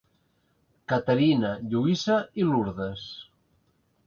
Caterina, Lluïsa i Lourdes.